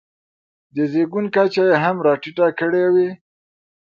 د زېږون کچه یې هم راټیټه کړې وي.